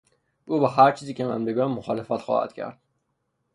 او با هرچیزی که من بگویم مخالفت خواهد کرد.